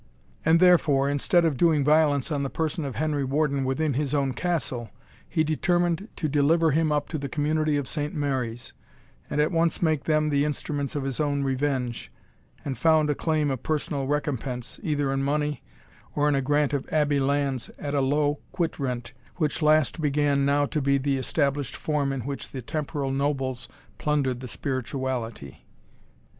And therefore, instead of doing violence on the person of Henry Warden within his own castle, he determined to deliver him up to the Community of Saint Mary's, and at once make them the instruments of his own revenge, and found a claim of personal recompense, either in money, or in a grant of Abbey lands at a low quit rent, which last began now to be the established form in which the temporal nobles plundered the spirituality.